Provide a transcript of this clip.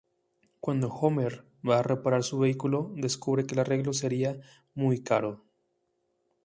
Cuando Homer va a reparar su vehículo, descubre que el arreglo sería muy caro.